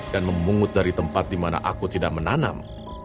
dan memungut di tempat di mana aku tidak menanam